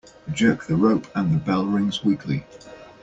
Jerk the rope and the bell rings weakly.